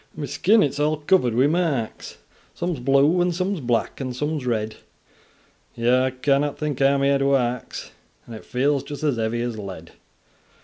An mi skin, it's all cover'd wi' marks, Some's blue, an some's black, an some's red; Yo connot think ha mi heead warks, An it feels just as heavy as lead.